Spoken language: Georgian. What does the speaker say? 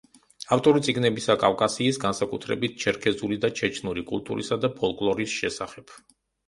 ავტორი წიგნებისა კავკასიის, განსაკუთრებით ჩერქეზული და ჩეჩნური, კულტურისა და ფოლკლორის შესახებ.